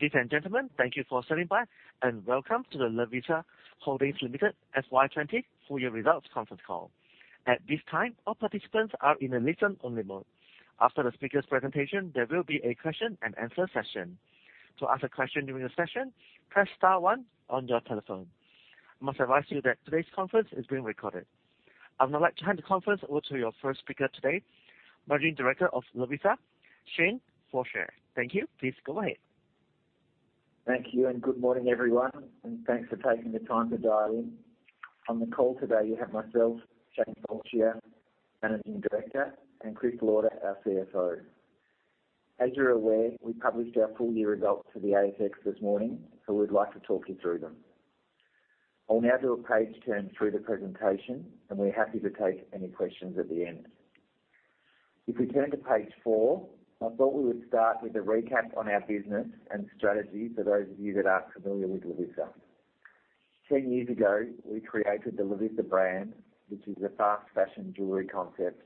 Ladies and gentlemen, thank you for standing by, and welcome to the Lovisa Holdings Limited FY 2020 full year results conference call. At this time, all participants are in a listen-only mode. After the speaker's presentation, there will be a question and answer session. To ask a question during the session, press star one on your telephone. I must advise you that today's conference is being recorded. I'd now like to hand the conference over to your first speaker today, Managing Director of Lovisa, Shane Fallscheer. Thank you. Please go ahead. Thank you, and good morning, everyone, and thanks for taking the time to dial in. On the call today, you have myself, Shane Fallscheer, Managing Director, and Chris Lauder, our CFO. As you're aware, we published our full-year results to the ASX this morning, and we'd like to talk you through them. I'll now do a page turn through the presentation, and we're happy to take any questions at the end. If we turn to page four, I thought we would start with a recap on our business and strategy for those of you that aren't familiar with Lovisa. 10 years ago, we created the Lovisa brand, which is a fast-fashion jewelry concept.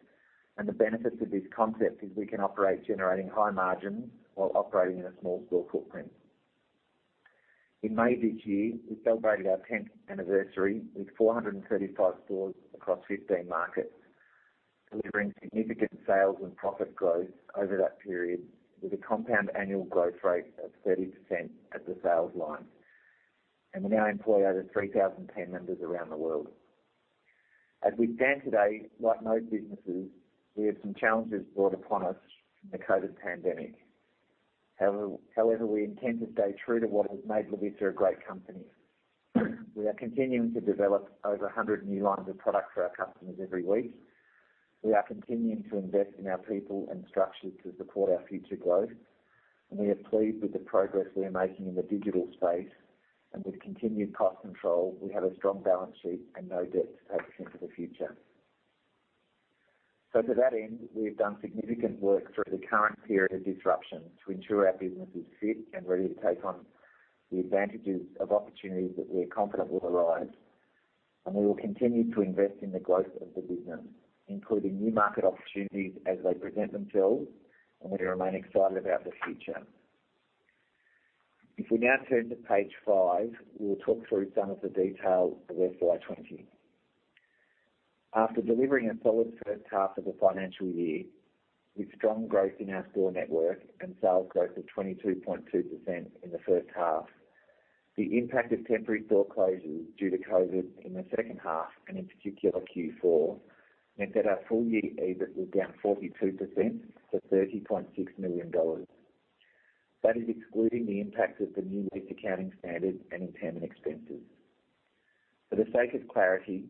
The benefits of this concept is we can operate generating high margins while operating in a small store footprint. In May this year, we celebrated our 10th anniversary with 435 stores across 15 markets, delivering significant sales and profit growth over that period, with a compound annual growth rate of 30% at the sales line. We now employ over 3,000 team members around the world. As we stand today, like most businesses, we have some challenges brought upon us from the COVID pandemic. However, we intend to stay true to what has made Lovisa a great company. We are continuing to develop over 100 new lines of product for our customers every week. We are continuing to invest in our people and structures to support our future growth, and we are pleased with the progress we are making in the digital space. With continued cost control, we have a strong balance sheet and no debt to take us into the future. To that end, we've done significant work through the current period of disruption to ensure our business is fit and ready to take on the advantages of opportunities that we are confident will arise. We will continue to invest in the growth of the business, including new market opportunities as they present themselves, and we remain excited about the future. We now turn to page five, we will talk through some of the details of FY 2020. After delivering a solid first half of the financial year with strong growth in our store network and sales growth of 22.2% in the first half, the impact of temporary store closures due to COVID in the second half, and in particular Q4, meant that our full-year EBIT was down 42% to 30.6 million dollars. That is excluding the impact of the new lease accounting standard and impairment expenses. For the sake of clarity,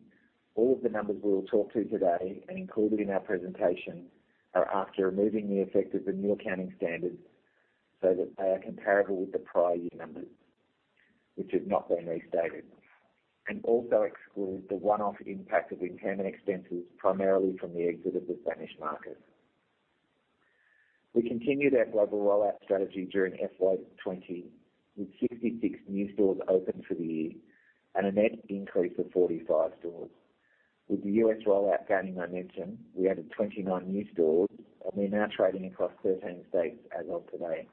all of the numbers we will talk to today and included in our presentation are after removing the effect of the new accounting standard, so that they are comparable with the prior year numbers, which have not been restated. Also excludes the one-off impact of impairment expenses, primarily from the exit of the Spanish market. We continued our global rollout strategy during FY 2020, with 66 new stores opened for the year and a net increase of 45 stores. With the U.S. rollout gaining momentum, we added 29 new stores, and we're now trading across 13 states as of today.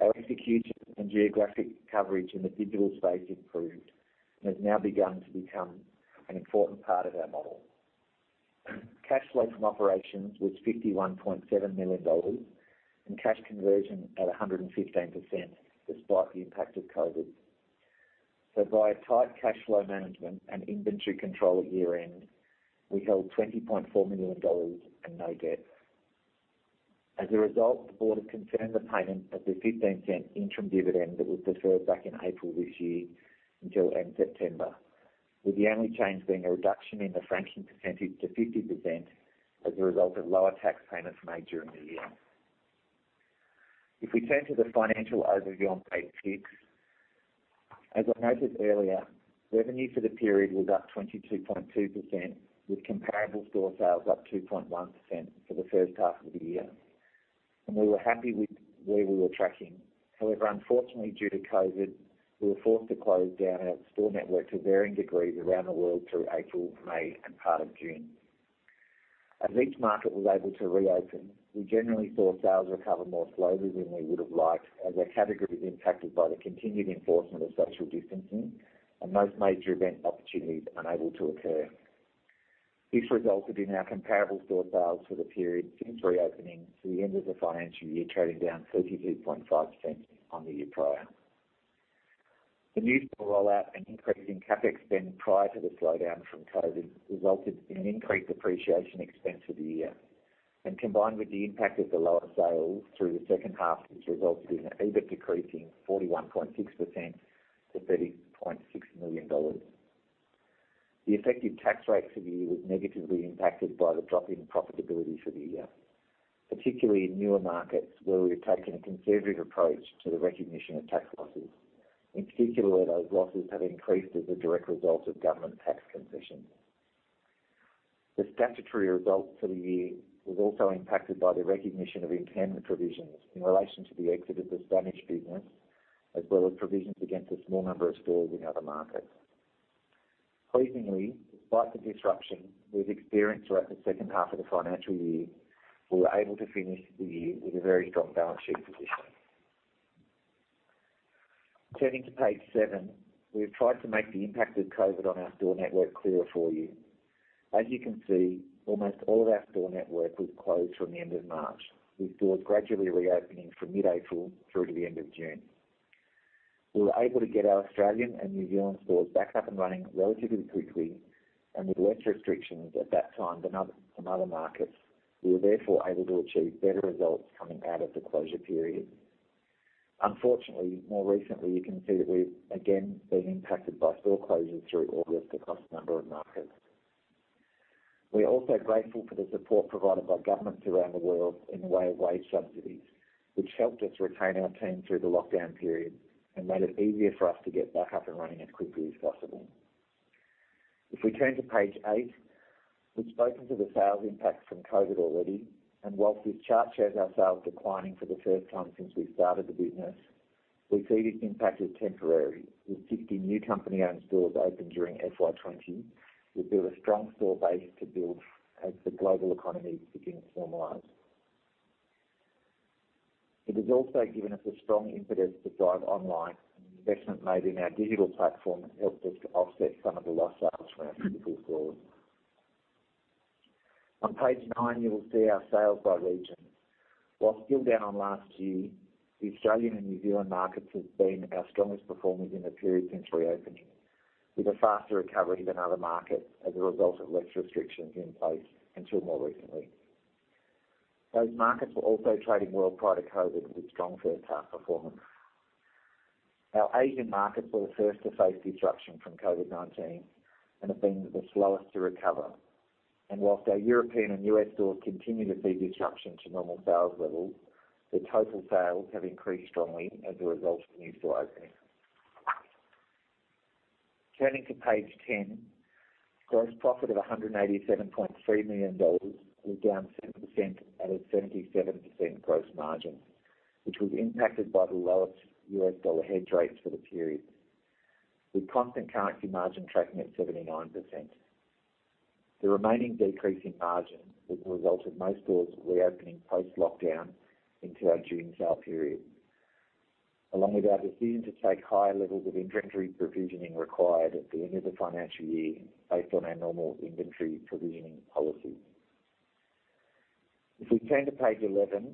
Our execution and geographic coverage in the digital space improved and has now begun to become an important part of our model. Cash flow from operations was 51.7 million dollars and cash conversion at 115%, despite the impact of COVID. Via tight cash flow management and inventory control at year-end, we held 20.4 million dollars and no debt. As a result, the board has confirmed the payment of the 0.15 interim dividend that was deferred back in April this year until end September, with the only change being a reduction in the franking percentage to 50% as a result of lower tax payments made during the year. If we turn to the financial overview on page six. As I noted earlier, revenue for the period was up 22.2%, with comparable store sales up 2.1% for the first half of the year. We were happy with where we were tracking. However, unfortunately, due to COVID, we were forced to close down our store network to varying degrees around the world through April, May, and part of June. As each market was able to reopen, we generally saw sales recover more slowly than we would have liked as our category was impacted by the continued enforcement of social distancing and most major event opportunities unable to occur. This resulted in our comparable store sales for the period since reopening to the end of the financial year trading down 32.5% on the year prior. The new store rollout and increase in CapEx spend prior to the slowdown from COVID resulted in an increased depreciation expense for the year, and combined with the impact of the lower sales through the second half, which resulted in EBIT decreasing 41.6% to 30.6 million dollars. The effective tax rate for the year was negatively impacted by the drop in profitability for the year, particularly in newer markets where we have taken a conservative approach to the recognition of tax losses. In particular, those losses have increased as a direct result of government tax concessions. The statutory results for the year were also impacted by the recognition of impairment provisions in relation to the exit of the Spanish business, as well as provisions against a small number of stores in other markets. Pleasingly, despite the disruption we've experienced throughout the second half of the financial year, we were able to finish the year with a very strong balance sheet position. Turning to page seven, we've tried to make the impact of COVID on our store network clearer for you. As you can see, almost all of our store network was closed from the end of March, with stores gradually reopening from mid-April through to the end of June. We were able to get our Australian and New Zealand stores back up and running relatively quickly. With less restrictions at that time than other markets, we were therefore able to achieve better results coming out of the closure period. Unfortunately, more recently, you can see that we've again been impacted by store closures through August across a number of markets. We are also grateful for the support provided by governments around the world in the way of wage subsidies, which helped us retain our team through the lockdown period and made it easier for us to get back up and running as quickly as possible. If we turn to page eight, we've spoken to the sales impact from COVID already. Whilst this chart shows our sales declining for the first time since we started the business, we see this impact as temporary. With 50 new company-owned stores opened during FY 2020, we built a strong store base to build as the global economy begins to normalize. It has also given us a strong impetus to drive online, and the investment made in our digital platform has helped us to offset some of the lost sales from our physical stores. On page nine, you will see our sales by region. While still down on last year, the Australian and New Zealand markets have been our strongest performers in the period since reopening, with a faster recovery than other markets as a result of less restrictions in place until more recently. Those markets were also trading well prior to COVID, with strong first-half performance. Our Asian markets were the first to face disruption from COVID-19 and have been the slowest to recover. Whilst our European and U.S. stores continue to see disruption to normal sales levels, their total sales have increased strongly as a result of new store openings. Turning to page 10, gross profit of $187.3 million was down 7% at a 77% gross margin, which was impacted by the lowest U.S. dollar hedge rates for the period, with constant currency margin tracking at 79%. The remaining decrease in margin was the result of most stores reopening post-lockdown into our June sale period, along with our decision to take higher levels of inventory provisioning required at the end of the financial year based on our normal inventory provisioning policy. If we turn to page 11,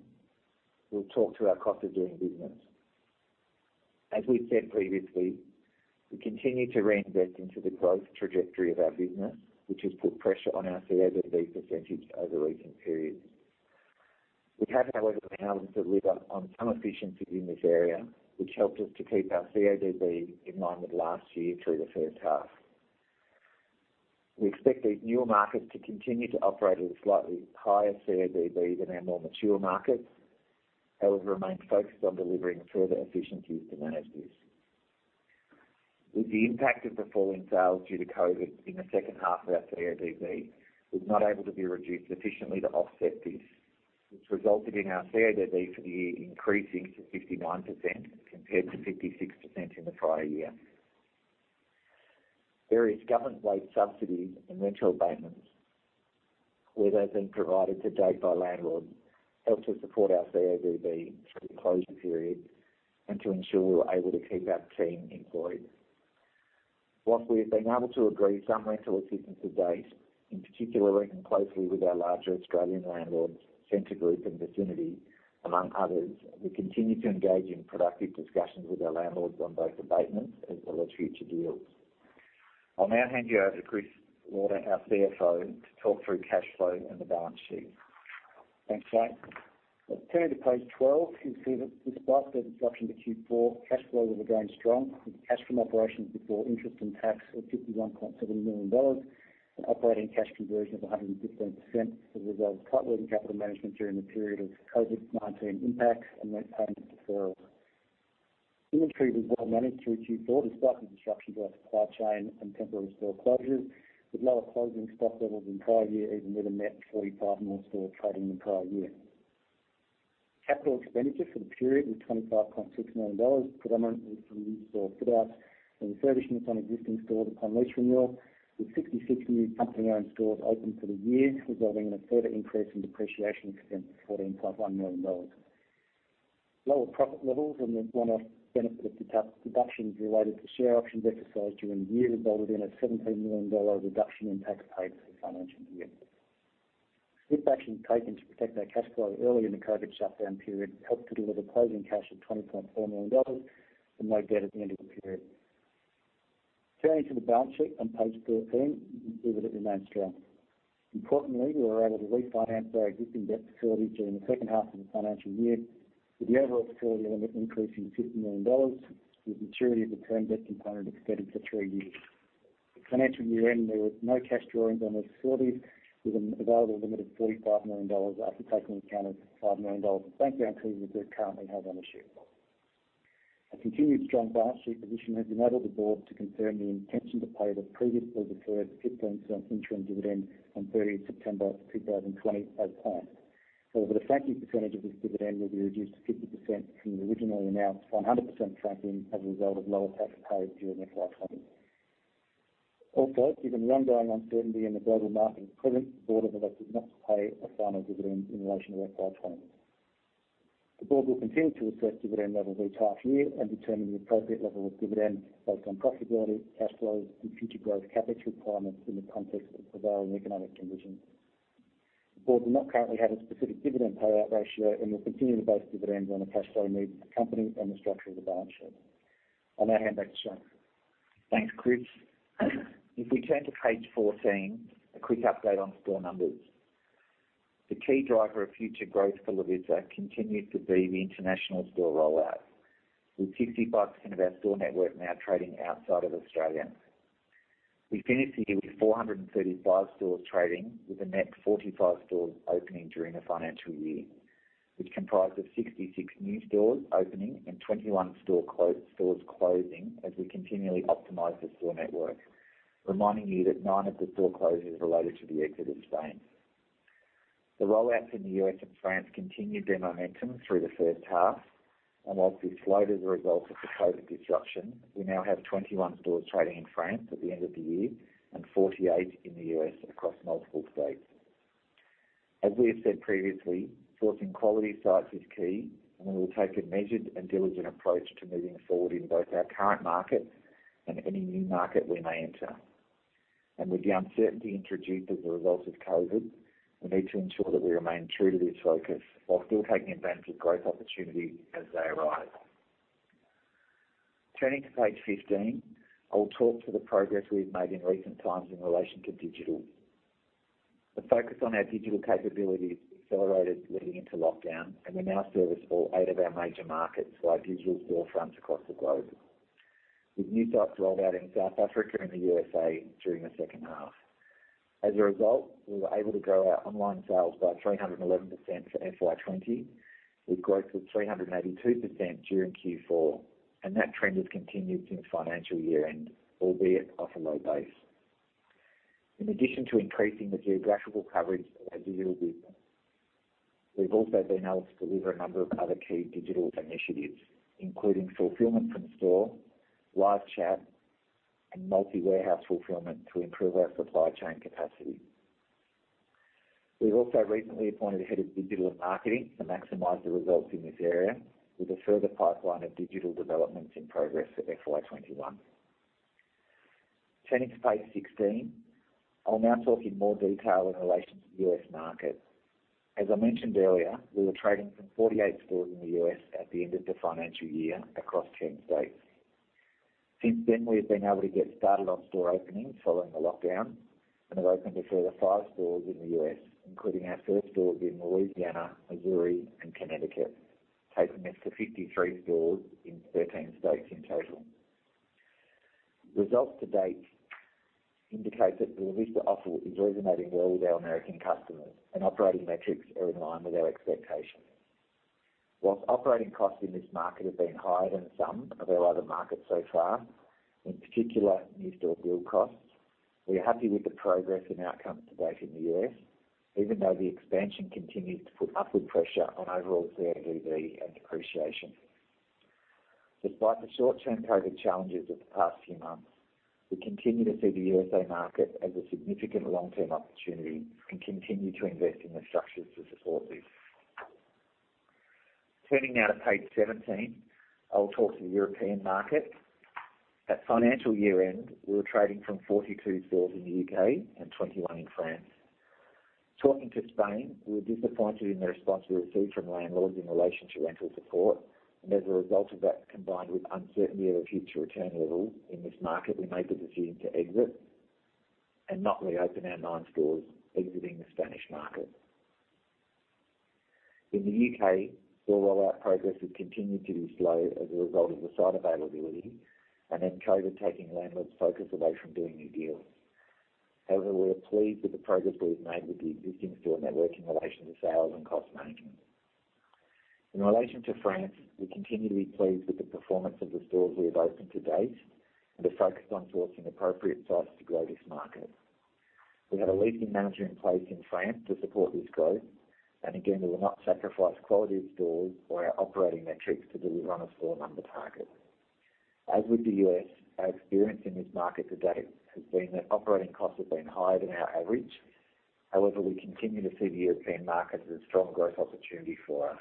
we'll talk to our cost of doing business. As we've said previously, we continue to reinvest into the growth trajectory of our business, which has put pressure on our CODB % over recent periods. We have, however, been able to lever on some efficiencies in this area, which helped us to keep our CODB in line with last year through the first half. We expect these newer markets to continue to operate at a slightly higher CODB than our more mature markets. However, we remain focused on delivering further efficiencies to manage this. With the impact of the fall in sales due to COVID in the second half of our CODB, we've not been able to be reduced efficiently to offset this. This resulted in our CODB for the year increasing to 59% compared to 56% in the prior year. Various government wage subsidies and rental abatements, where they've been provided to date by landlords, helped to support our CODB through the closure period and to ensure we were able to keep our team employed. Whilst we have been able to agree some rental assistance to date, in particular working closely with our larger Australian landlords, Scentre Group and Vicinity, among others, we continue to engage in productive discussions with our landlords on both abatements as well as future deals. I'll now hand you over to Chris Lauder, our CFO, to talk through cash flow and the balance sheet. Thanks, Shane. Let's turn to page 12. You can see that despite the disruption to Q4, cash flow was again strong, with cash from operations before interest and tax of 51.7 million dollars and operating cash conversion of 115% as a result of tight working capital management during the period of COVID-19 impacts and rent payment deferrals. Inventory was well managed through Q4 despite the disruption to our supply chain and temporary store closures, with lower closing stock levels than prior year, even with a net 45 more stores trading than prior year. Capital expenditure for the period was 25.6 million dollars, predominantly from new store fit-outs and refurbishments on existing stores upon lease renewal, with 66 new company-owned stores opened for the year, resulting in a further increase in depreciation expense of 14.1 million dollars. Lower profit levels and the one-off benefit of tax deductions related to share options exercised during the year resulted in an 17 million dollar reduction in tax paid for the financial year. Actions taken to protect our cash flow early in the COVID shutdown period helped to deliver closing cash of 20.4 million dollars and no debt at the end of the period. Turning to the balance sheet on page 13, you can see that it remains strong. Importantly, we were able to refinance our existing debt facility during the second half of the financial year, with the overall facility limit increasing to 50 million dollars, with maturity of the term debt component extended for three years. At financial year-end, there were no cash drawings on this facility, with an available limit of 45 million dollars after taking account of 5 million dollars of bank guarantees we currently hold on issue. Our continued strong balance sheet position has enabled the board to confirm the intention to pay the previously declared 0.15 interim dividend on 30th September 2020 as planned. The franking percentage of this dividend will be reduced to 50% from the originally announced 100% franking as a result of lower tax paid during FY 2020. Given the ongoing uncertainty in the global market at present, the board has elected not to pay a final dividend in relation to FY 2020. The board will continue to assess dividend level each half year and determine the appropriate level of dividend based on profitability, cash flows and future growth CapEx requirements in the context of the prevailing economic conditions. The board do not currently have a specific dividend payout ratio and will continue to base dividends on the cash flow needs of the company and the structure of the balance sheet. I now hand back to Shane. Thanks, Chris. If we turn to page 14, a quick update on store numbers. The key driver of future growth for Lovisa continues to be the international store rollout, with 65% of our store network now trading outside of Australia. We finished the year with 435 stores trading, with a net 45 stores opening during the financial year, which comprised of 66 new stores opening and 21 stores closing as we continually optimize the store network. Reminding you that nine of the store closures related to the exit of Spain. The rollouts in the U.S. and France continued their momentum through the first half, and whilst this slowed as a result of the COVID disruption, we now have 21 stores trading in France at the end of the year and 48 in the U.S. across multiple states. As we have said previously, sourcing quality sites is key, and we will take a measured and diligent approach to moving forward in both our current market and any new market we may enter. With the uncertainty introduced as a result of COVID, we need to ensure that we remain true to this focus while still taking advantage of growth opportunities as they arise. Turning to page 15, I will talk to the progress we've made in recent times in relation to digital. The focus on our digital capabilities accelerated leading into lockdown, and we now service all eight of our major markets via digital storefronts across the globe. With new sites rolled out in South Africa and the USA during the second half. As a result, we were able to grow our online sales by 311% for FY 2020, with growth of 382% during Q4. That trend has continued since financial year-end, albeit off a low base. In addition to increasing the geographical coverage of our digital business, we've also been able to deliver a number of other key digital initiatives, including fulfillment from store, live chat, and multi-warehouse fulfillment to improve our supply chain capacity. We've also recently appointed a head of digital and marketing to maximize the results in this area, with a further pipeline of digital developments in progress for FY 2021. Turning to page 16, I'll now talk in more detail in relation to the U.S. market. As I mentioned earlier, we were trading from 48 stores in the U.S. at the end of the financial year across 10 states. Since then, we have been able to get started on store openings following the lockdown and have opened a further five stores in the U.S., including our first stores in Louisiana, Missouri and Connecticut, taking this to 53 stores in 13 states in total. Results to date indicate that the Lovisa offer is resonating well with our American customers and operating metrics are in line with our expectations. Whilst operating costs in this market have been higher than some of our other markets so far, in particular new store build costs, we are happy with the progress and outcomes to date in the U.S. even though the expansion continues to put upward pressure on overall CapEx and depreciation. Despite the short-term COVID challenges of the past few months, we continue to see the USA market as a significant long-term opportunity and continue to invest in the structures to support this. Turning now to page 17, I will talk to the European market. At financial year-end, we were trading from 42 stores in the U.K. and 21 in France. Talking to Spain, we were disappointed in the response we received from landlords in relation to rental support, and as a result of that, combined with uncertainty of a future return level in this market, we made the decision to exit and not reopen our nine stores exiting the Spanish market. In the U.K., store rollout progress has continued to be slow as a result of the site availability and then COVID taking landlords' focus away from doing new deals. However, we are pleased with the progress we have made with the existing store network in relation to sales and cost management. In relation to France, we continue to be pleased with the performance of the stores we have opened to date and are focused on sourcing appropriate sites to grow this market. We have a leasing manager in place in France to support this growth, and again, we will not sacrifice quality of stores or our operating metrics to deliver on a store number target. As with the U.S., our experience in this market to date has been that operating costs have been higher than our average. However, we continue to see the European market as a strong growth opportunity for us.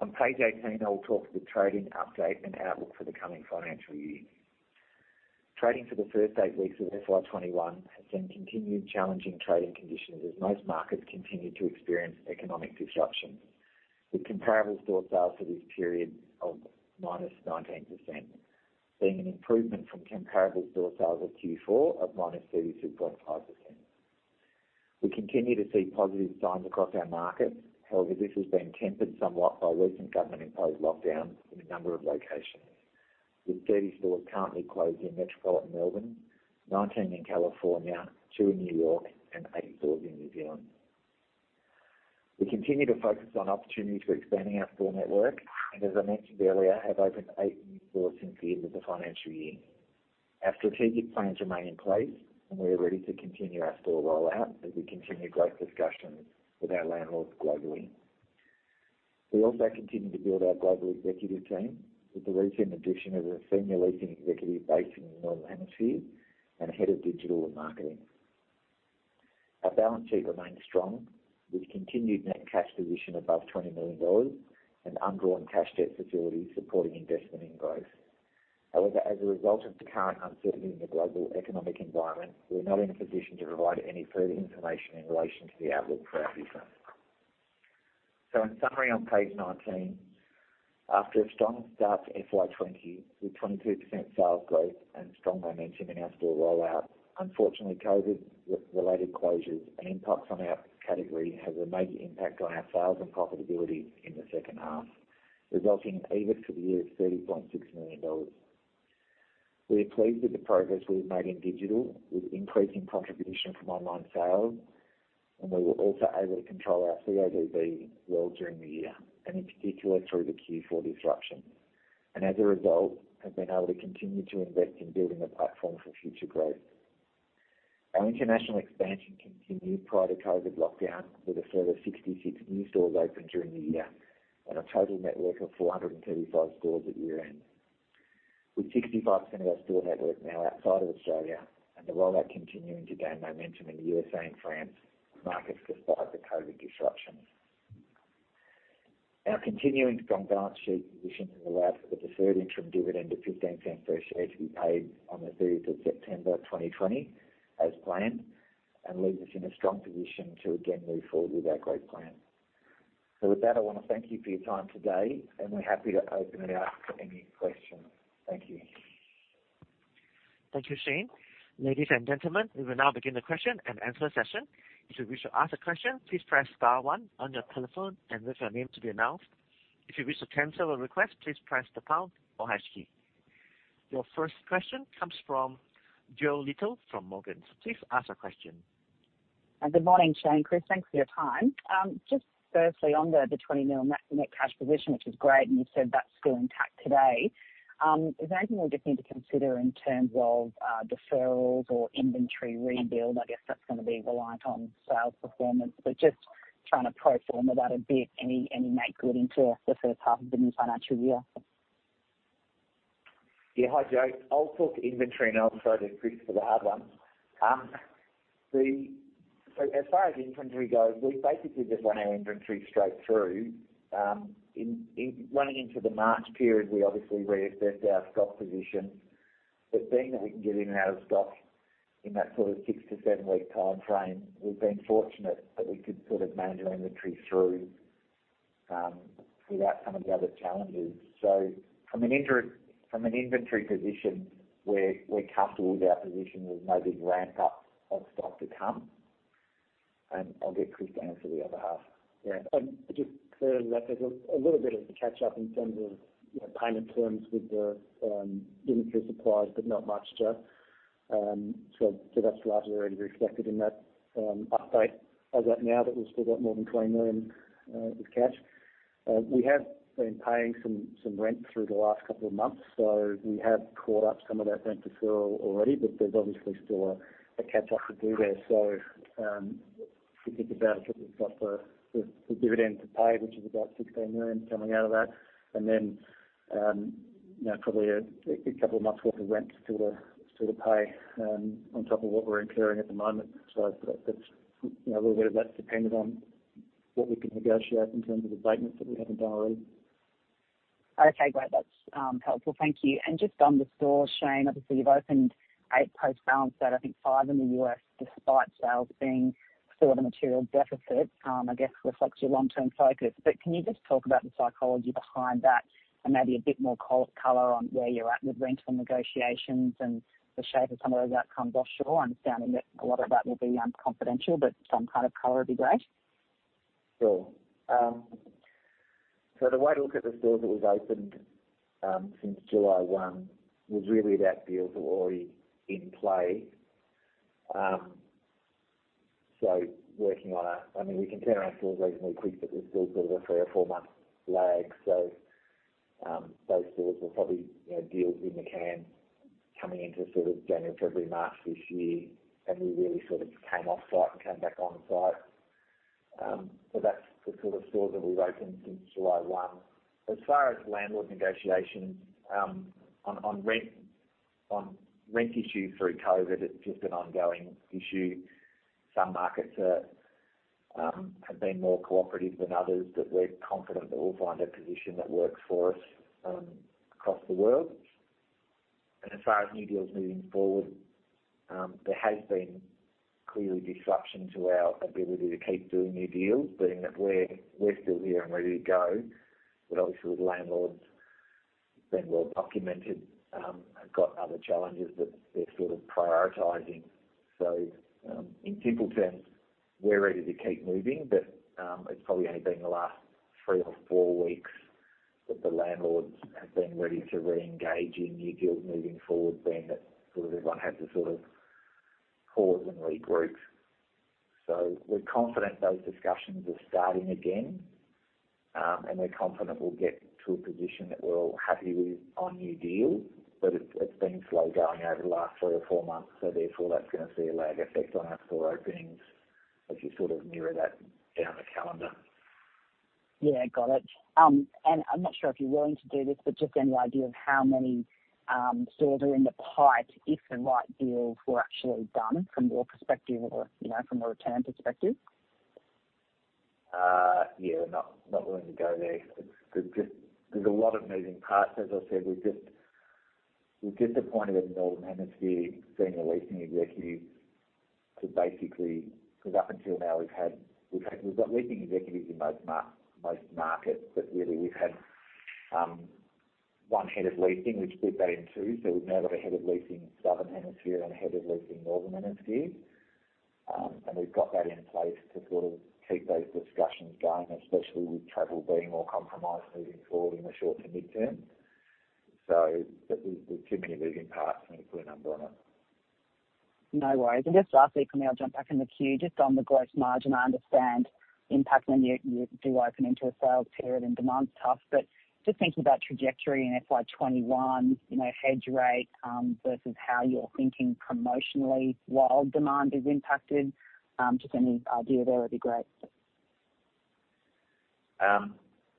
On page 18, I will talk to the trading update and outlook for the coming financial year. Trading for the first eight weeks of FY 2021 has seen continued challenging trading conditions as most markets continue to experience economic disruptions, with comparable store sales for this period of -19%, being an improvement from comparable store sales at Q4 of -36.5%. We continue to see positive signs across our markets. However, this has been tempered somewhat by recent government-imposed lockdowns in a number of locations, with 30 stores currently closed in metropolitan Melbourne, 19 in California, two in New York and eight stores in New Zealand. We continue to focus on opportunities for expanding our store network and as I mentioned earlier, have opened eight new stores since the end of the financial year. Our strategic plans remain in place, and we are ready to continue our store rollout as we continue growth discussions with our landlords globally. We also continue to build our global executive team with the recent addition of a senior leasing executive based in the Northern Hemisphere and a head of digital and marketing. Our balance sheet remains strong with continued net cash position above 20 million dollars and undrawn cash debt facilities supporting investment in growth. As a result of the current uncertainty in the global economic environment, we're not in a position to provide any further information in relation to the outlook for our business. In summary, on page 19, after a strong start to FY 2020 with 22% sales growth and strong momentum in our store rollout, unfortunately, COVID-related closures and impacts on our category had a major impact on our sales and profitability in the second half, resulting in EBIT for the year of 30.6 million dollars. We are pleased with the progress we've made in digital, with increasing contribution from online sales, and we were also able to control our CODB well during the year, and in particular through the Q4 disruption. As a result, we have been able to continue to invest in building a platform for future growth. Our international expansion continued prior to COVID lockdown with a further 66 new stores opened during the year and a total network of 435 stores at year-end. With 65% of our store network now outside of Australia and the rollout continuing to gain momentum in the U.S.A. and France, markets despite the COVID disruption. Our continuing strong balance sheet position has allowed for the deferred interim dividend of 0.15 per share to be paid on the 30th of September 2020 as planned and leaves us in a strong position to again move forward with our growth plan. With that, I want to thank you for your time today, and we're happy to open it up for any questions. Thank you. Thank you, Shane. Ladies and gentlemen, we will now begin the question and answer session. If you wish to ask a question please press star one on your telephone and wait for your name to be announced. If you wish to cancel a request please press the pound or hash key. Your first question comes from Jo Little from Morgans. Please ask a question. Good morning, Shane, Chris, thanks for your time. Just firstly, on the 20 million net cash position, which is great, and you said that's still intact today. Is there anything we just need to consider in terms of deferrals or inventory rebuild? I guess that's going to be reliant on sales performance, but just trying to profile that a bit, any make good into the first half of the new financial year. Yeah. Hi, Jo. I'll talk inventory, I'll throw to Chris for the hard ones. As far as inventory goes, we basically just run our inventory straight through. Running into the March period, we obviously reassessed our stock positions, being that we can get in and out of stock in that six to seven-week timeframe, we've been fortunate that we could manage our inventory through without some of the other challenges. From an inventory position, we're comfortable with our position. There's no big ramp-up of stock to come, I'll get Chris to answer the other half. Yeah. Just clear that there's a little bit of a catch-up in terms of payment terms with the inventory suppliers, not much, Jo. That's largely already reflected in that update as at now that we've still got more than 20 million of cash. We have been paying some rent through the last couple of months, we have caught up some of that rent deferral already, there's obviously still a catch-up to do there. If you think about it, we've got the dividend to pay, which is about 16 million coming out of that. Then probably a good couple of months' worth of rent still to pay on top of what we're incurring at the moment. A little bit of that's dependent on what we can negotiate in terms of the payments that we haven't done already. Okay, great. That's helpful. Thank you. Just on the stores, Shane, obviously you've opened eight post balance date, I think five in the U.S. despite sales being still at a material deficit, I guess reflects your long-term focus. Can you just talk about the psychology behind that and maybe a bit more color on where you're at with rental negotiations and the shape of some of those outcomes offshore? Understanding that a lot of that will be confidential, but some kind of color would be great. Sure. The way to look at the stores that we've opened since July 1 was really about deals that were already in play. Working on, I mean, we can turn our stores reasonably quick, but there's still a three or four-month lag. Those stores were probably deals in the can coming into January, February, March this year, and we really came off site and came back on site. As far as landlord negotiations on rent issues through COVID, it's just an ongoing issue. Some markets have been more cooperative than others, but we're confident that we'll find a position that works for us across the world. As far as new deals moving forward, there has been clearly disruption to our ability to keep doing new deals, being that we're still here and ready to go. Obviously with landlords, it's been well documented, have got other challenges that they're prioritizing. In simple terms, we're ready to keep moving, but it's probably only been the last three or four weeks that the landlords have been ready to reengage in new deals moving forward, being that everyone had to pause and regroup. We're confident those discussions are starting again, and we're confident we'll get to a position that we're all happy with on new deals. It's been slow going over the last three or four months, therefore, that's going to see a lag effect on our store openings as you mirror that down the calendar. Yeah, got it. I'm not sure if you're willing to do this, but just any idea of how many stores are in the pipe if the right deals were actually done from your perspective or from a return perspective? Yeah. Not willing to go there. There's a lot of moving parts. As I said, we're disappointed in the Northern Hemisphere senior leasing executives because up until now we've got leasing executives in most markets, but really we've had one Head of Leasing. We've split that in two, so we've now got a Head of Leasing Southern Hemisphere and a Head of Leasing Northern Hemisphere. We've got that in place to keep those discussions going, especially with travel being more compromised moving forward in the short to midterm. There's too many moving parts for me to put a number on it. No worries. Just lastly, can we all jump back in the queue, just on the gross margin, I understand impact when you do open into a sales period and demand's tough, but just thinking about trajectory in FY 2021, hedge rate versus how you're thinking promotionally while demand is impacted, just any idea there would be great.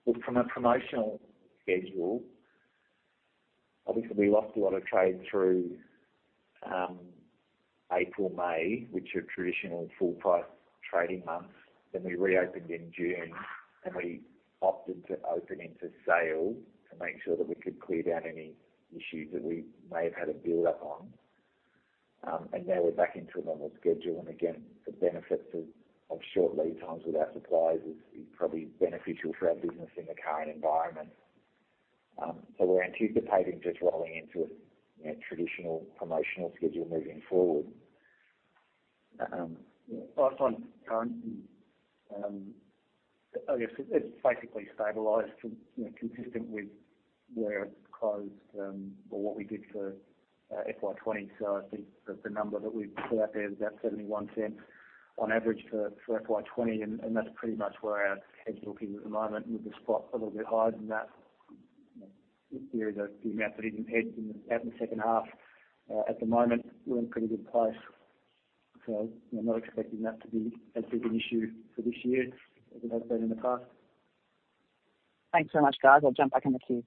Look, from a promotional schedule, obviously we lost a lot of trade through April, May, which are traditional full price trading months. We reopened in June, and we opted to open into sale to make sure that we could clear down any issues that we may have had a buildup on. Now we're back into a normal schedule. Again, the benefits of short lead times with our suppliers is probably beneficial for our business in the current environment. We're anticipating just rolling into a traditional promotional schedule moving forward. I find currently, I guess it's basically stabilized consistent with where it closed or what we did for FY 2020. I think that the number that we put out there is about 0.71 on average for FY 2020, and that's pretty much where our hedge will be at the moment, with the spot a little bit higher than that. There is a fair amount that is hedged out in the second half. At the moment, we're in pretty good place. We're not expecting that to be as big an issue for this year as it has been in the past. Thanks so much, guys. I'll jump back in the queue.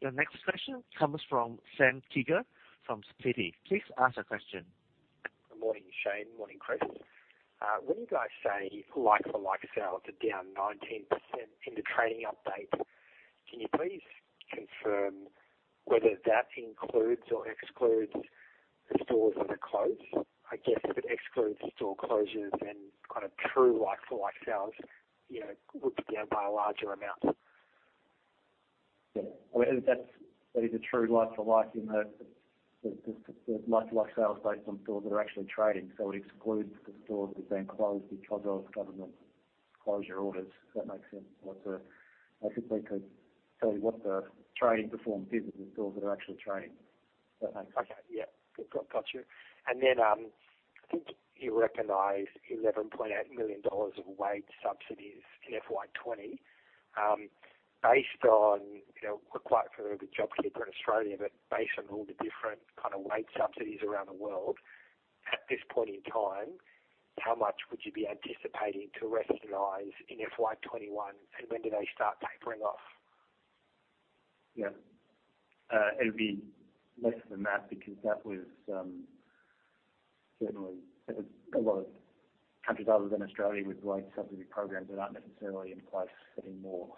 Your next question comes from Sam Teeger from Citi. Please ask a question. Good morning, Shane. Morning, Chris. When you guys say like-for-like sales are down 19% in the trading update, can you please confirm whether that includes or excludes the stores that are closed? I guess if it excludes the store closures and kind of true like-for-like sales would be down by a larger amount. Yeah. That is a true like-for-like in the like-for-like sales based on stores that are actually trading. It excludes the stores that have been closed because of government closure orders, if that makes sense. I simply could tell you what the trading performance is in stores that are actually trading. Okay. Yeah. Got you. I think you recognized 11.8 million dollars of wage subsidies in FY 2020. Based on, we're quite familiar with JobKeeper in Australia, but based on all the different kind of wage subsidies around the world, at this point in time, how much would you be anticipating to recognize in FY 2021 and when do they start tapering off? Yeah. It would be less than that because that was generally a lot of countries other than Australia with wage subsidy programs that aren't necessarily in place anymore.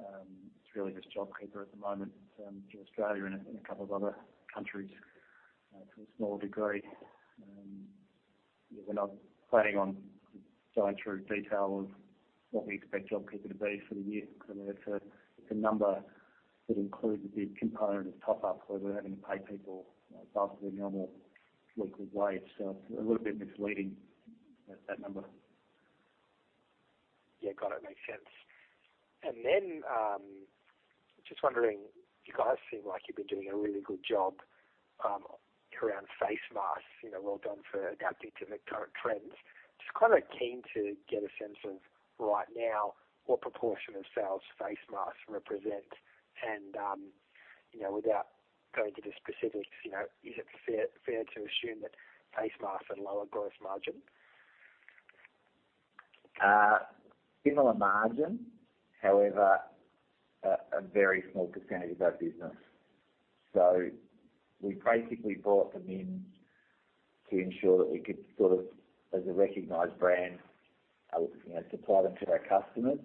It's really just JobKeeper at the moment in Australia and a couple of other countries to a smaller degree. We're not planning on going through detail of what we expect JobKeeper to be for the year because it's a number that includes a big component of top ups where we're having to pay people above their normal weekly wage. It's a little bit misleading, that number. Yeah. Got it. Makes sense. Then, just wondering, you guys seem like you've been doing a really good job around face masks. Well done for adapting to the current trends. Just kind of keen to get a sense of right now what proportion of sales face masks represent and, without going into specifics, is it fair to assume that face masks are a lower gross margin? Similar margin. A very small percentage of our business. We basically brought them in to ensure that we could, as a recognized brand, supply them to our customers.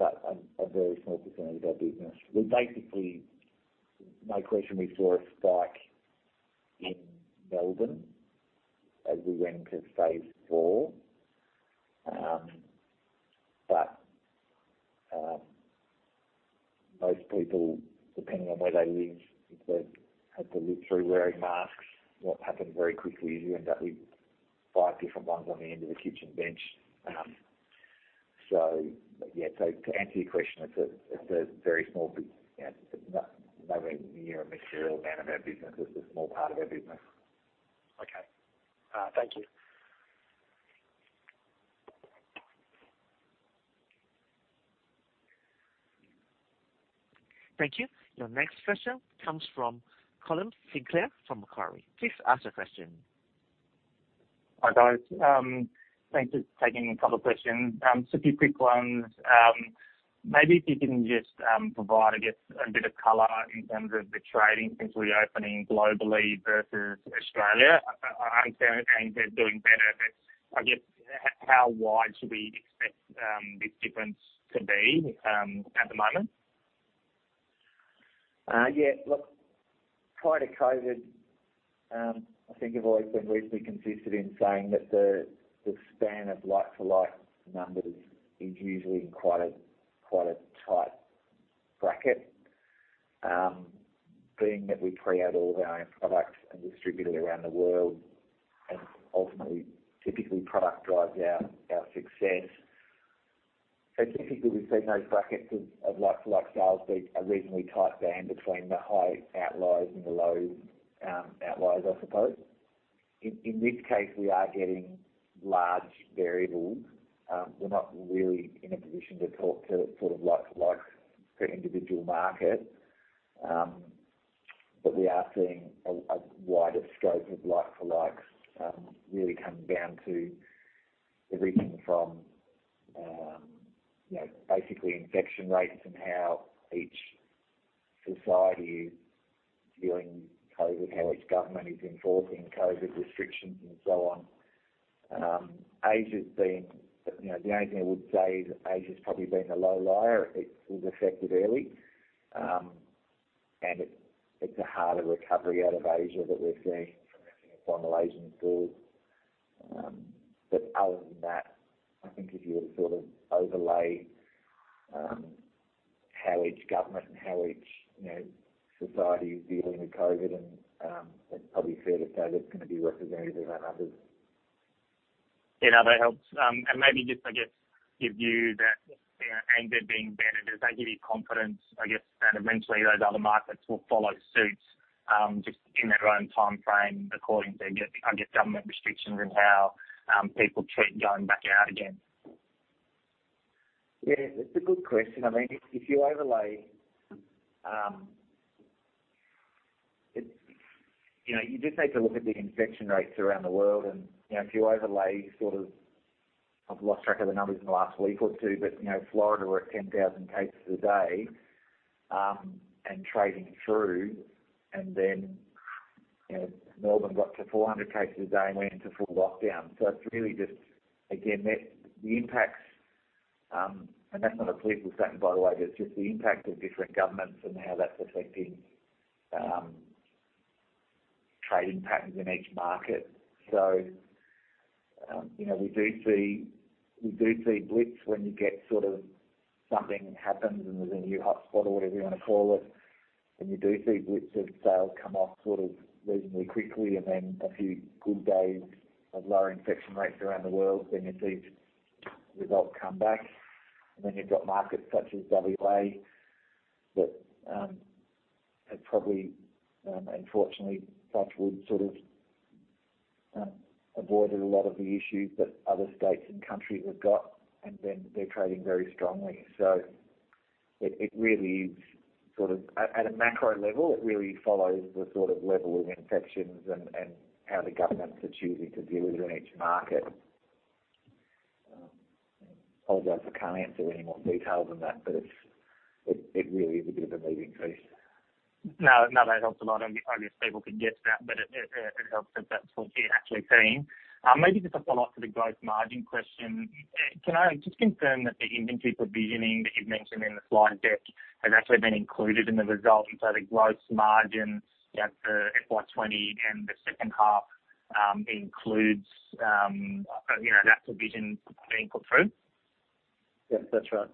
A very small percentage of our business. My question, we saw a spike in Melbourne as we went into phase four. Most people, depending on where they live, if they've had to live through wearing masks, what happens very quickly is you end up with five different ones on the end of the kitchen bench. Yeah, to answer your question, it's a very small piece. Nowhere near a material amount of our business. It's a small part of our business. Okay. Thank you. Thank you. Your next question comes from Colin Sinclair from Macquarie. Please ask the question. Hi, guys. Thanks for taking a couple of questions. Just a few quick ones. Maybe if you can just provide, I guess, a bit of color in terms of the trading since reopening globally versus Australia. I understand ANZ is doing better, I guess how wide should we expect this difference to be at the moment? Look, prior to COVID, I think I've always been reasonably consistent in saying that the span of like-to-like numbers is usually in quite a tight bracket. Being that we create all of our own products and distribute it around the world, ultimately, typically product drives our success. Typically, we've seen those brackets of like-to-like sales be a reasonably tight band between the high outliers and the low outliers, I suppose. In this case, we are getting large variables. We're not really in a position to talk to like-to-likes per individual market. We are seeing a wider stroke of like-for-likes really coming down to everything from basically infection rates and how each society is dealing with COVID, how each government is enforcing COVID restrictions, and so on. The only thing I would say is Asia has probably been a low-lier. It was affected early, and it's a harder recovery out of Asia that we're seeing from a formal Asian store. Other than that, I think if you were to overlay how each government and how each society is dealing with COVID, then it's probably fair to say that's going to be representative of our numbers. Yeah. No, that helps. Maybe just, I guess, give you that ANZ being better, does that give you confidence, I guess, that eventually those other markets will follow suit, just in their own timeframe according to, I guess, government restrictions and how people treat going back out again? Yeah. That's a good question. If you overlay. You just need to look at the infection rates around the world and if you overlay. I've lost track of the numbers in the last week or two, but Florida were at 10,000 cases a day and trading through, and then Melbourne got to 400 cases a day and went into full lockdown. It's really just, again, the impacts, and that's not a political statement, by the way, but it's just the impact of different governments and how that's affecting trading patterns in each market. We do see blitz when you get something happens and there's a new hotspot or whatever you want to call it, and you do see blitz of sales come off reasonably quickly. A few good days of lower infection rates around the world, then you see results come back. You've got markets such as W.A. that have probably, unfortunately, touch wood, avoided a lot of the issues that other states and countries have got, and then they're trading very strongly. At a macro level, it really follows the level of infections and how the governments are choosing to deal with it in each market. I suppose I can't answer any more detail than that, but it really is a bit of a moving feast. No, that helps a lot. I guess people could guess that, but it helps that that's what you're actually seeing. Maybe just a follow-up to the gross margin question. Can I just confirm that the inventory provisioning that you've mentioned in the slide deck has actually been included in the results? The gross margins for FY 2020 and the second half includes that provision being put through? Yes, that's right.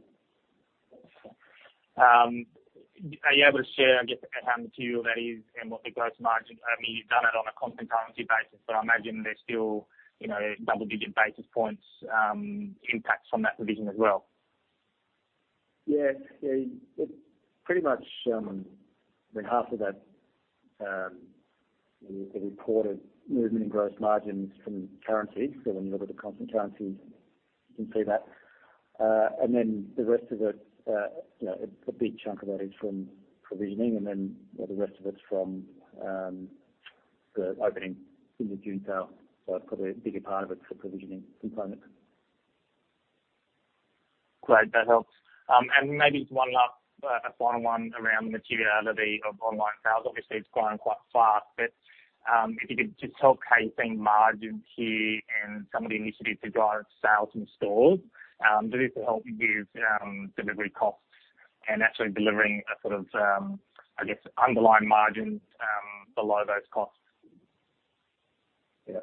Are you able to share, I guess, how material that is and what the gross margin, I mean, you've done it on a constant currency basis, but I imagine there's still double-digit basis points impacts from that provision as well? Yeah. Pretty much, I mean, half of that, the reported movement in gross margins from currency. When you look at the constant currency, you can see that. The rest of it, a big chunk of that is from provisioning, and then the rest of it's from the opening in the June sale. It's probably a bigger part of it's the provisioning component. Great. That helps. Maybe just one last final one around the materiality of online sales. Obviously, it's growing quite fast. If you could just talk how you're seeing margins here and some of the initiatives to drive sales in stores. Do this to help with delivery costs and actually delivering a sort of, I guess, underlying margins below those costs. Yeah.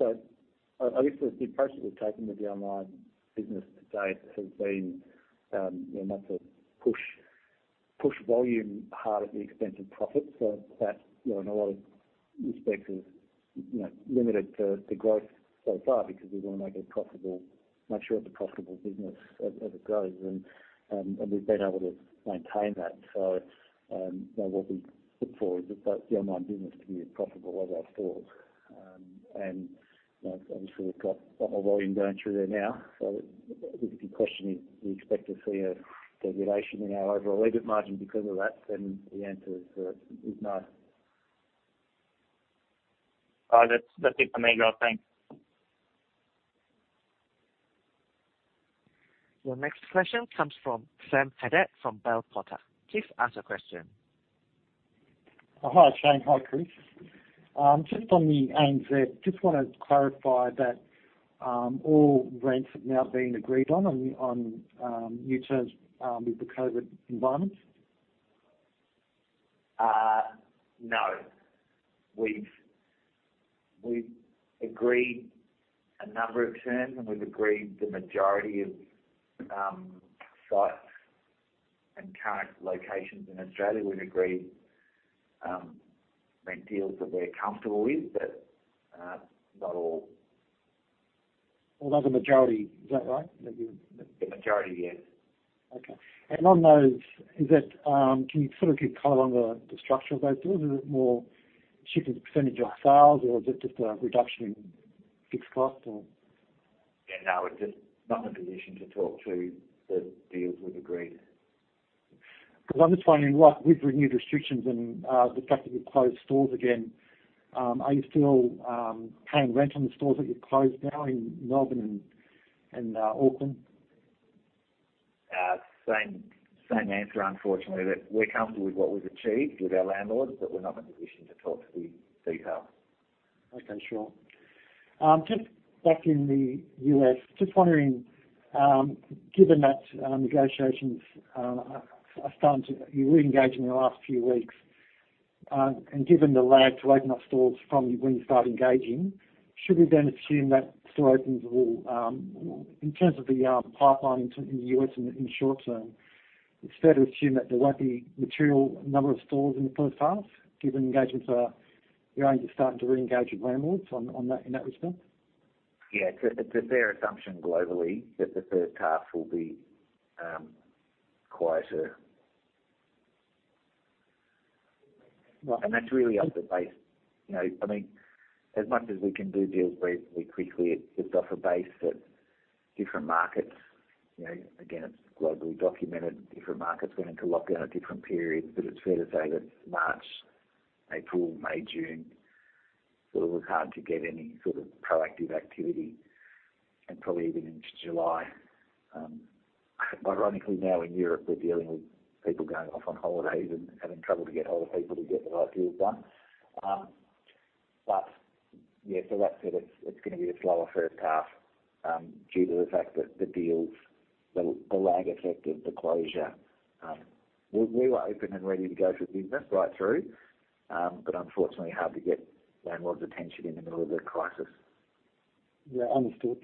I guess the approach that we've taken with the online business to date has been not to push. Push volume hard at the expense of profit. That in a lot of respects is limited to growth so far because we want to make it profitable, make sure it's a profitable business as it grows, and we've been able to maintain that. What we look for is the online business to be as profitable as our stores. Obviously, we've got a lot more volume going through there now. If your question is, do you expect to see a degradation in our overall profit margin because of that, then the answer is no. All right. That's it for me, guys. Thanks. Your next question comes from Sam Haddad from Bell Potter. Please ask your question. Hi, Shane. Hi, Chris. Just on the ANZ, just want to clarify that all rents have now been agreed on new terms with the COVID environments? No. We've agreed a number of terms, and we've agreed the majority of sites and current locations in Australia. We've agreed rent deals that we're comfortable with, but not all. Well, that's a majority, is that right? The majority, yes. Okay. On those, can you sort of give color on the structure of those deals? Is it more shifted as a percentage of sales, or is it just a reduction in fixed cost or? Yeah, no, we're just not in a position to talk to the deals we've agreed. I'm just wondering, right, with renewed restrictions and the fact that you've closed stores again, are you still paying rent on the stores that you've closed now in Melbourne and Auckland? Same answer, unfortunately. We're comfortable with what we've achieved with our landlords, but we're not in a position to talk to the detail. Okay, sure. Just back in the U.S., just wondering, given that negotiations are starting to reengaged in the last few weeks, and given the lag to open up stores from when you start engaging, should we then assume that store opens, in terms of the pipeline in the U.S. in the short term, it's fair to assume that there won't be material number of stores in the first half, given engagements You're only just starting to reengage with landlords in that respect? Yeah. It's a fair assumption globally that the first half will be quieter. Right. That's really off the base. I mean, as much as we can do deals reasonably quickly, it's off a base that different markets, again, it's globally documented, different markets went into lockdown at different periods. It's fair to say that March, April, May, June, sort of was hard to get any sort of proactive activity, and probably even into July. Ironically, now in Europe, we're dealing with people going off on holidays and having trouble to get hold of people to get the right deals done. Yeah, for that said, it's gonna be a slower first half, due to the fact that the deals, the lag effect of the closure. We were open and ready to go for business right through, but unfortunately, hard to get landlords' attention in the middle of a crisis. Yeah. Understood.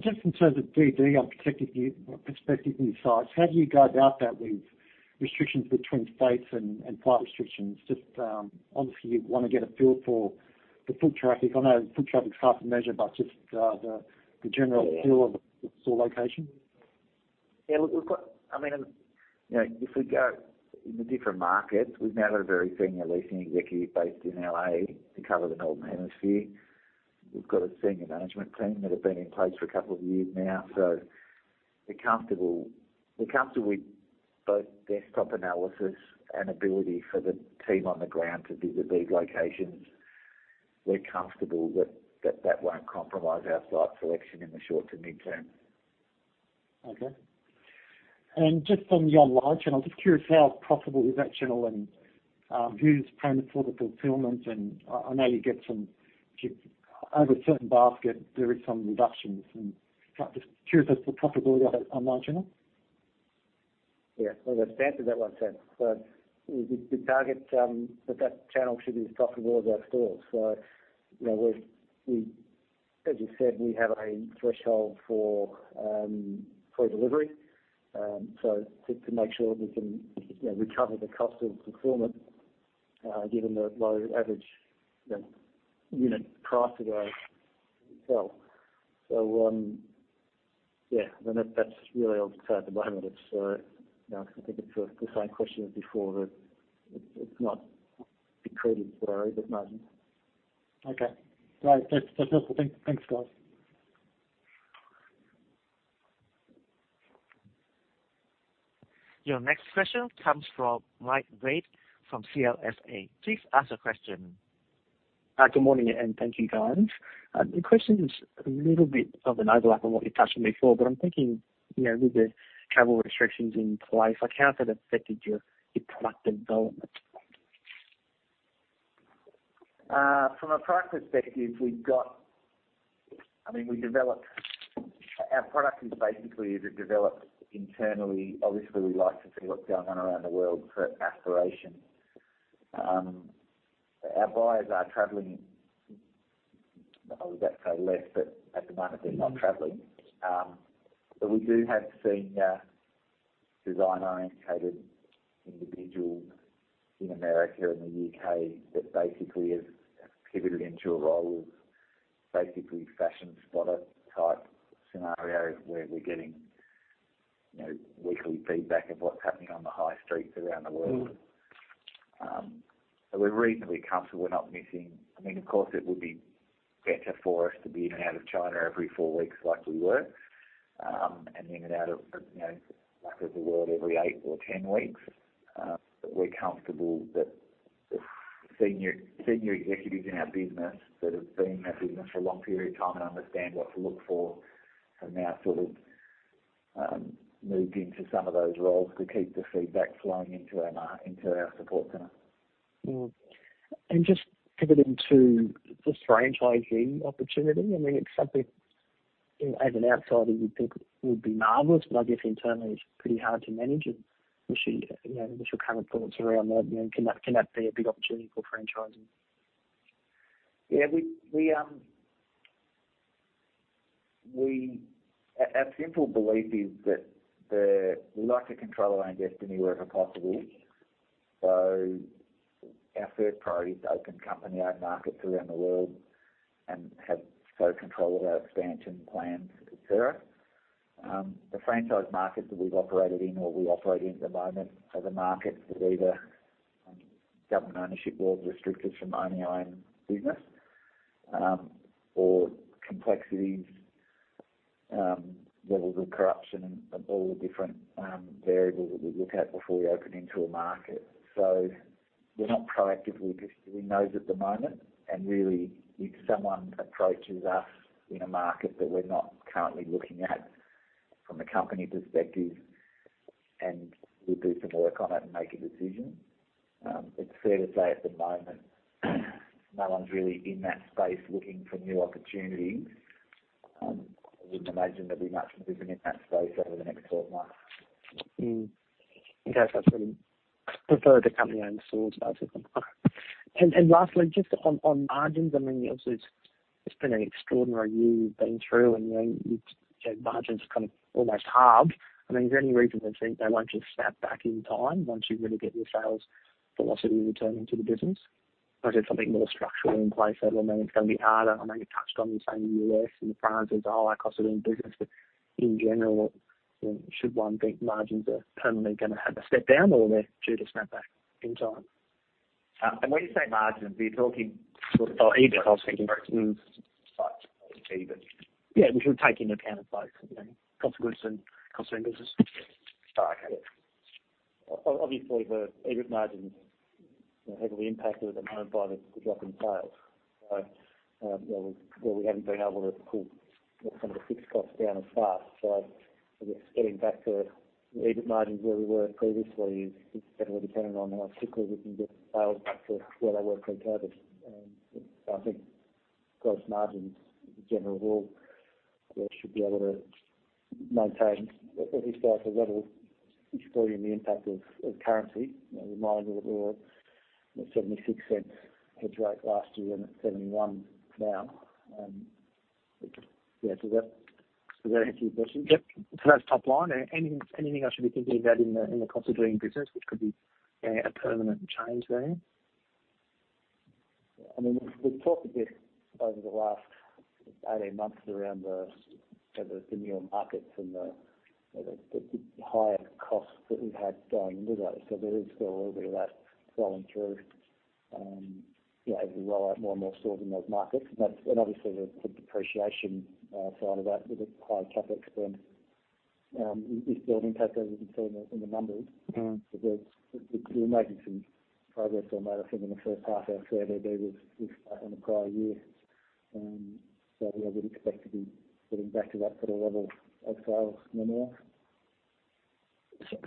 Just in terms of GD on prospecting new sites, how do you go about that with restrictions between states and flight restrictions? Just obviously you'd want to get a feel for the foot traffic. I know foot traffic's hard to measure feel of the store location. Yeah. Look, if we go in the different markets, we've now got a very senior leasing executive based in L.A. to cover the northern hemisphere. We've got a senior management team that have been in place for a couple of years now. We're comfortable with both desktop analysis and ability for the team on the ground to visit these locations. We're comfortable that that won't compromise our site selection in the short to midterm. Okay. Just on the online channel, just curious how profitable is that channel and who's paying for the fulfillment. Over a certain basket, there is some reductions and just curious as to profitability of that online channel. Yeah. As a status, I won't say. We target that channel should be as profitable as our stores. As you said, we have a threshold for delivery. To make sure that we can recover the cost of fulfillment, given the low average unit price of our sell. Yeah. That's really all to say at the moment. I think it's the same question as before, that it's not accretive to our EBITDA margin. Okay. Great. That's helpful. Thank you. Thanks, guys. Your next question comes from Mark Wade from CLSA. Please ask your question. Good morning. Thank you, guys. The question is a little bit of an overlap on what you touched on before, but I'm thinking, with the travel restrictions in place, how has that affected your product development? From a product perspective, our product is basically either developed internally. Obviously, we like to see what's going on around the world for aspiration. Our buyers are traveling. I was about to say less, but at the moment they're not traveling. We do have senior design-orientated individuals in America and the U.K. that basically have pivoted into a role of basically fashion spotter-type scenarios where we're getting weekly feedback of what's happening on the high streets around the world. We're reasonably comfortable we're not missing. Of course, it would be better for us to be in and out of China every four weeks like we were, and in and out of the rest of the world every eight or 10 weeks. We're comfortable that the senior executives in our business that have been in our business for a long period of time and understand what to look for, have now sort of moved into some of those roles to keep the feedback flowing into our support center. Just pivoting to the franchising opportunity. It's something, as an outsider, you'd think would be marvelous, but I guess internally it's pretty hard to manage. What's your current thoughts around that? Can that be a big opportunity for franchising? Yeah. Our simple belief is that we like to control our own destiny wherever possible. Our first priority is to open company-owned markets around the world and have control of our expansion plans, et cetera. The franchise markets that we've operated in or we operate in at the moment are the markets that either government ownership laws restrict us from owning our own business, or complexities, levels of corruption, and all the different variables that we look at before we open into a market. We're not proactively pursuing those at the moment. Really, if someone approaches us in a market that we're not currently looking at from a company perspective, and we do some work on it and make a decision. It's fair to say at the moment, no one's really in that space looking for new opportunities. I wouldn't imagine there'll be much movement in that space over the next 12 months. Okay. It's really preferred the company own stores most of the time. Lastly, just on margins. Obviously, it's been an extraordinary year you've been through, and your margins kind of almost halved. Is there any reason to think they won't just snap back in time once you really get your sales velocity returning to the business? Is there something more structural in place that will mean it's going to be harder? I know you touched on, you're saying the U.S. and the prices are higher Cost of Doing Business, but in general, should one think margins are permanently going to have a step down or they're due to snap back in time? When you say margins, are you talking? EBIT, I was thinking. Sorry. EBIT. Yeah, we can take into account both cost of goods and cost of business. Obviously, the EBIT margin is heavily impacted at the moment by the drop in sales. Well, we haven't been able to pull some of the fixed costs down as fast. I guess getting back to EBIT margins where we were previously is heavily dependent on how quickly we can get sales back to where they were pre-COVID. I think gross margins in general should be able to maintain at least back to level, excluding the impact of currency. Remind you that we were at an 0.76 hedge rate last year and at 0.71 now. Does that answer your question? Yep. That's top line. Anything I should be thinking about in the Cost of Doing Business, which could be a permanent change there? We've talked a bit over the last 18 months around the newer markets and the higher costs that we've had going into those. There is still a little bit of that flowing through as we roll out more and more stores in those markets. Obviously, the depreciation side of that with a higher CapEx spend is the impact as you can see in the numbers. We're making some progress on that. I think in the first half, our CODB was back on the prior year. Yeah, we'd expect to be getting back to that sort of level of sales in the near.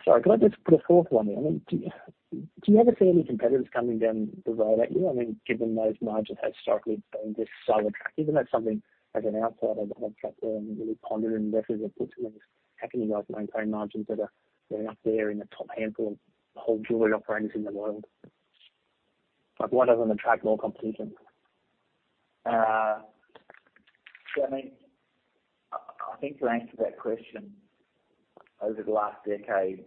Sorry, could I just put a fourth one in? Do you ever see any competitors coming down the road at you? Given those margins historically have been just so attractive. That's something as an outsider that I've tracked and really pondered and referenced reports on is how can you guys maintain margins that are going up there in the top handful of whole jewelry operators in the world? Why doesn't that attract more competition? I think to answer that question, over the last decade,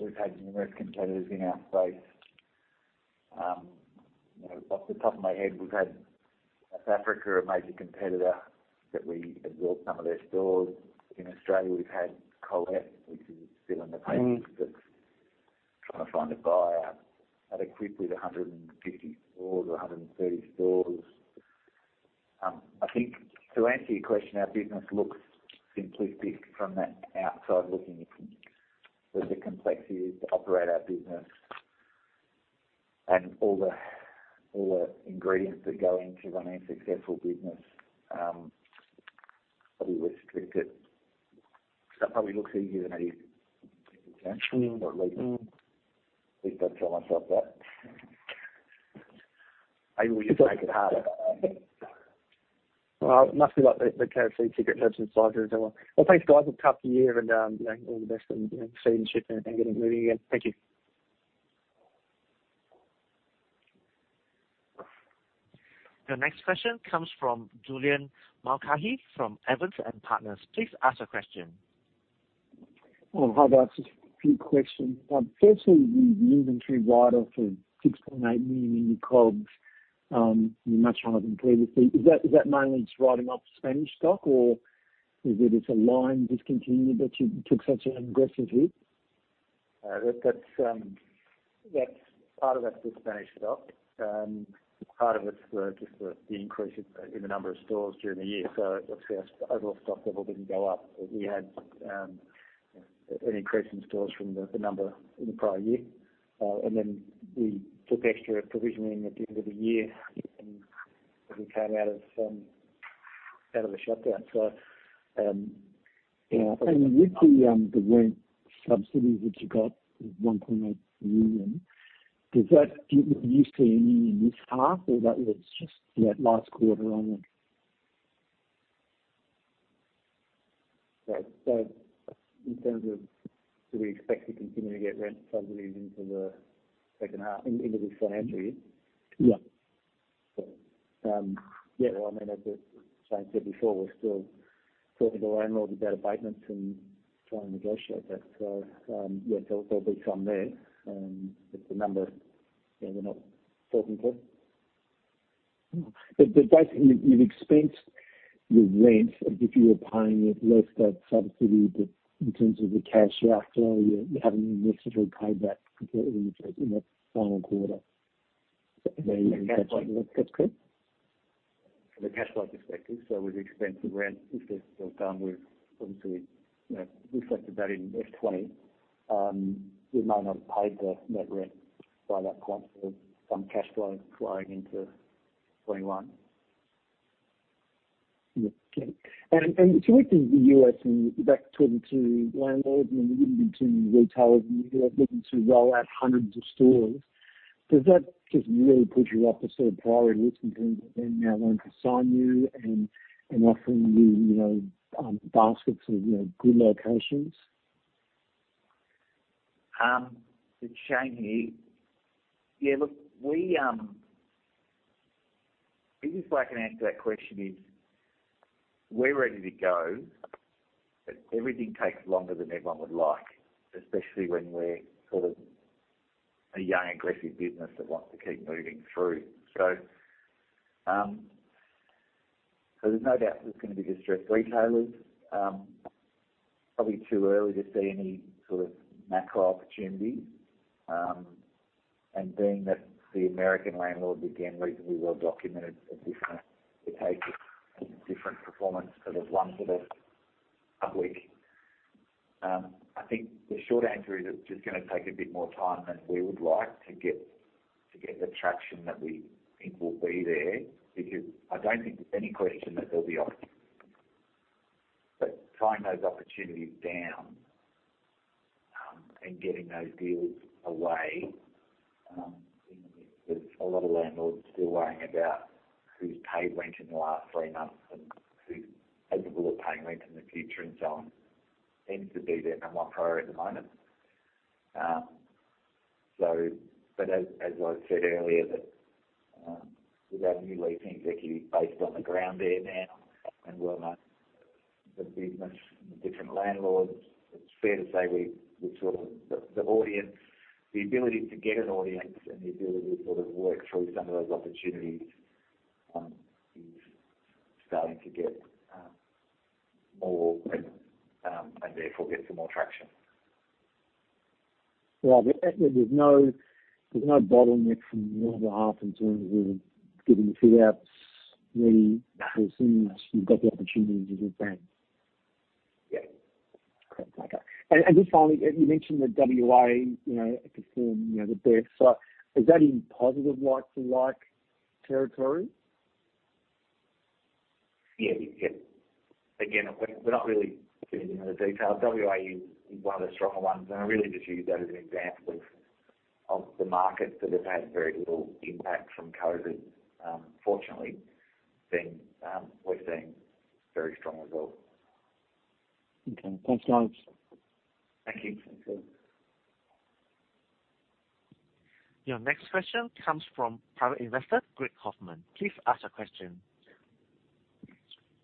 we've had numerous competitors in our space. Off the top of my head, we've had South Africa, a major competitor, that we absorbed some of their stores. In Australia, we've had Colette, which is still on the papers. Trying to find a buyer. Had Equip with 150 stores or 130 stores. I think to answer your question, our business looks simplistic from that outside looking in, but the complexity is to operate our business and all the ingredients that go into running a successful business probably restrict it. It probably looks easier than it is potentially, or at least I tell myself that. You just make it harder. Well, it must be like the KFC secret herbs and spices as well. Well, thanks, guys. Look, tough year and all the best and see you in shape and getting it moving again. Thank you. Your next question comes from Julian Mulcahy from Evans and Partners. Please ask your question. Hi guys. Just a few questions. Firstly, the inventory write-off of 6.8 million in COGS, much higher than previously. Is that mainly just writing off Spanish stock, or is it's a line discontinued that you took such an aggressive hit? Part of that's the Spanish stock and part of it's just the increase in the number of stores during the year. Obviously our overall stock level didn't go up. We had an increase in stores from the number in the prior year, we took extra provisioning at the end of the year as we came out of the shutdown. With the rent subsidy, which you got 1.8 million, do you see any in this half or that was just last quarter only? In terms of do we expect to continue to get rent subsidies into the second half, into this financial year? Yeah. Yeah. Well, as Shane said before, we're still talking to landlords about abatements and trying to negotiate that. Yeah, there'll be some there. It's a number that we're not talking to. Basically you've expensed your rent as if you were paying it less that subsidy. In terms of the cash outflow, you haven't necessarily paid that completely in the final quarter. Is that correct? From a cash flow perspective, we've expensed the rent. If this deal is done, we've obviously reflected that in FY 2020. We may not have paid the net rent by that point, some cash flow flowing into FY 2021. Yeah. Okay. Switching to the U.S. and back talking to landlords, I mean, there wouldn't be too many retailers in the U.S. looking to roll out hundreds of stores. Does that just really put you up the sort of priority list in terms of them now wanting to sign you and offering you baskets of good locations? It's Shane here. Yeah, look, I guess the way I can answer that question is we're ready to go, but everything takes longer than everyone would like, especially when we're sort of a young, aggressive business that wants to keep moving through. There's no doubt there's going to be distressed retailers. Probably too early to see any sort of macro opportunities. Being that the American landlords, again, reasonably well documented are different. It takes a different performance because there's one sort of public. I think the short answer is it's just going to take a bit more time than we would like to get the traction that we think will be there. I don't think there's any question that there'll be opportunities. Tying those opportunities down, and getting those deals away, there's a lot of landlords still worrying about who's paid rent in the last three months and who's capable of paying rent in the future and so on, tends to be their number one priority at the moment. As I said earlier, that with our new leasing executive based on the ground there now and well known to the business and the different landlords, it's fair to say the audience, the ability to get an audience and the ability to sort of work through some of those opportunities, is starting to get more prevalent, and therefore get some more traction. Well, there's no bottleneck from your half in terms of getting fit outs ready, assuming you've got the opportunities with them? Yeah. Great. Okay. Just finally, you mentioned that W.A. performed the best. Is that in positive, like-for-like territory? Yeah. Again, we're not really giving away the details. W.A. is one of the stronger ones. I really just use that as an example of the markets that have had very little impact from COVID. Fortunately, we're seeing very strong results. Okay. Thanks guys. Thank you. Your next question comes from private investor, Greg Hoffman. Please ask your question.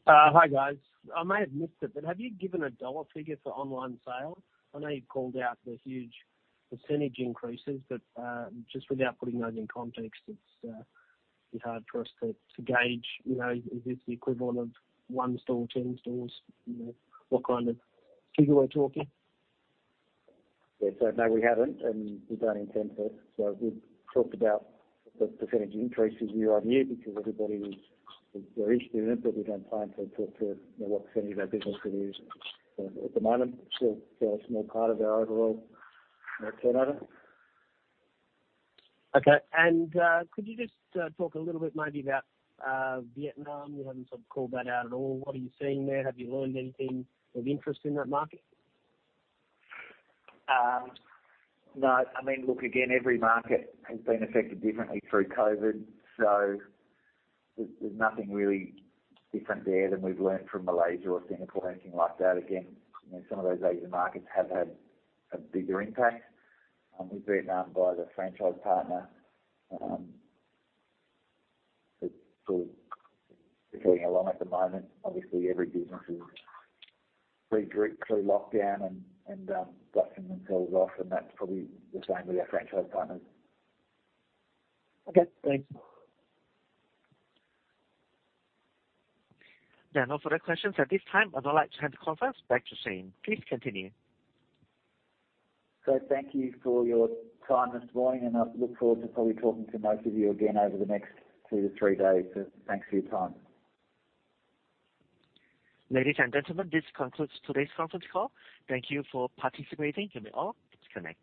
Hi, guys. I may have missed it, but have you given an AUD figure for online sales? I know you've called out the huge percentage increases, but, just without putting those in context, it's a bit hard for us to gauge, is this the equivalent of one store, 10 stores? What kind of figure we're talking? Yeah. No, we haven't and we don't intend to. We've talked about the percentage increases year-on-year because everybody was very interested in it, but we don't plan to talk to what percentage of our business it is at the moment. Still a small part of our overall turnover. Okay. Could you just talk a little bit maybe about Vietnam? You haven't sort of called that out at all. What are you seeing there? Have you learned anything of interest in that market? No. Look, again, every market has been affected differently through COVID, so there's nothing really different there than we've learned from Malaysia or Singapore or anything like that. Some of those Asian markets have had a bigger impact. With Vietnam, via the franchise partner, it's sort of getting along at the moment. Obviously, every business is pretty gripped through lockdown and dusting themselves off, and that's probably the same with our franchise partners. Okay, thanks. There are no further questions at this time. I'd like to hand the conference back to Shane. Please continue. Thank you for your time this morning, and I look forward to probably talking to most of you again over the next two to three days. Thanks for your time. Ladies and gentlemen, this concludes today's conference call. Thank you for participating. You may all disconnect.